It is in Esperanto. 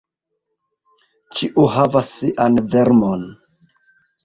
Ĉiu havas sian vermon.